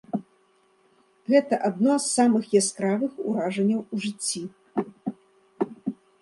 Гэта адно з самых яскравых уражанняў у жыцці.